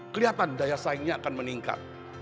kelihatan daya saingnya akan meningkat